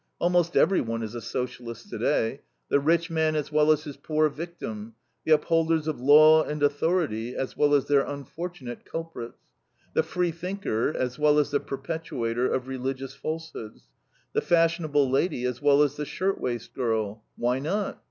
Almost everyone is a Socialist today: the rich man, as well as his poor victim; the upholders of law and authority, as well as their unfortunate culprits; the freethinker, as well as the perpetuator of religious falsehoods; the fashionable lady, as well as the shirtwaist girl. Why not?